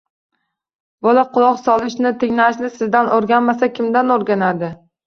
Bola quloq solishni, tinglashni sizdan o‘rganmasa kimdan o‘rganadi?